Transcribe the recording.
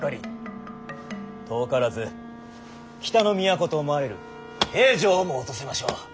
遠からず北の都と思われる平壌をも落とせましょう。